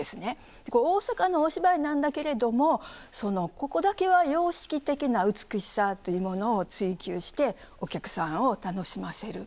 これ大阪のお芝居なんだけれどもここだけは様式的な美しさというものを追求してお客さんを楽しませる。